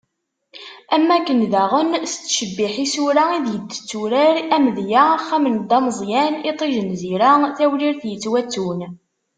Am wakken daɣen tettcebiḥ isura ideg i d-turar, amedya: Axxam n Dda Meẓyan, Itij n Zira, Tawrirt yettwattun.